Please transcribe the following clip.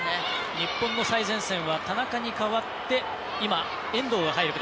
日本の最前線は田中に代わって遠藤が入る形。